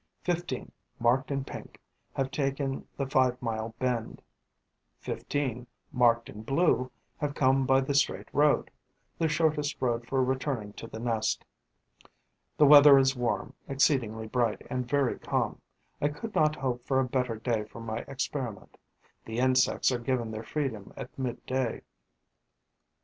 Fifteen, marked in pink, have taken the five mile bend; fifteen, marked in blue, have come by the straight road, the shortest road for returning to the nest. The weather is warm, exceedingly bright and very calm; I could not hope for a better day for my experiment. The insects are given their freedom at mid day.